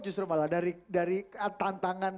justru malah dari tantangan